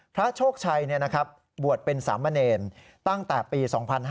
โชคชัยบวชเป็นสามเณรตั้งแต่ปี๒๕๕๙